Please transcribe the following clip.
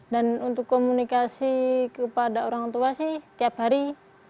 dan untuk komunikasi kepada orang tua sih tiap hari